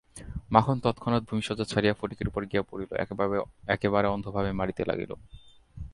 মাখন তৎক্ষণাৎ ভূমিশয্যা ছাড়িয়া ফটিকের উপরে গিয়া পড়িল, একেবারে অন্ধভাবে মারিতে লাগিল।